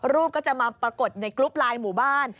ก็จะมาปรากฏในกรุ๊ปไลน์หมู่บ้าน